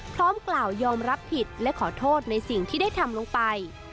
พร้อมกล่าวยอมรับผิดและขอโทษในสิ่งที่ได้ทำลงไป